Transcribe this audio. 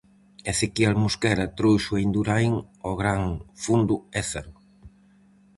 Ezequiel Mosquera trouxo a Indurain ao gran Fondo Ézaro.